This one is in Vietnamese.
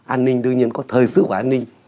an ninh đương nhiên có thời sự và an ninh